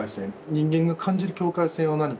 人間が感じる境界線は何かっていう。